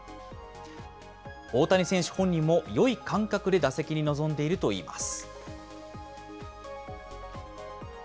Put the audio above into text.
大谷選手本人もよい感覚で打席に臨んでいるといいます。